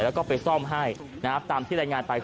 แล้วก็ไปซ่อมให้นะครับ